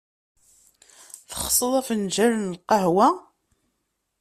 Texsed lfenjal n qahwa?